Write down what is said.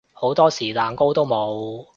好多時蛋糕都冇